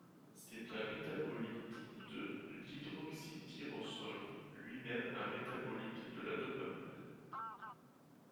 C'est un métabolite de l'hydroxytyrosol, lui-même un métabolite de la dopamine.